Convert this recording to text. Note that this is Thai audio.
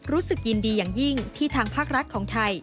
รู้สึกยินดีอย่างยิ่งที่ทางภาครัฐของไทย